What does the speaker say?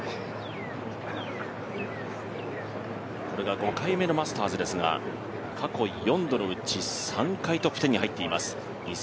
これが５回目のマスターズですが過去４度のうち３回トップ１０に入っています。